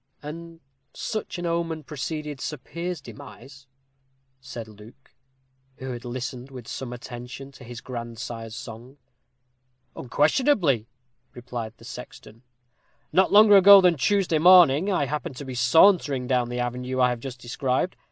"And such an omen preceded Sir Piers's demise?" said Luke, who had listened with some attention to his grandsire's song. "Unquestionably," replied the sexton. "Not longer ago than Tuesday morning, I happened to be sauntering down the avenue I have just described.